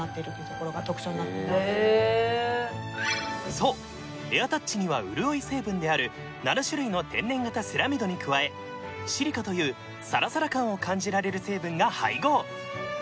そうエアタッチには潤い成分である７種類の天然型セラミドに加えシリカというサラサラ感を感じられる成分が配合